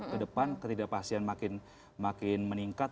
kedepan ketidakpastian makin meningkat